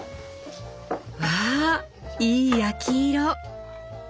わあいい焼き色！